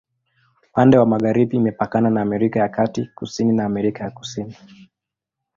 Upande wa magharibi imepakana na Amerika ya Kati, kusini na Amerika ya Kusini.